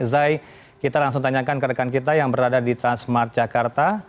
zai kita langsung tanyakan ke rekan kita yang berada di transmart jakarta